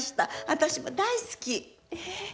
私もう大好き。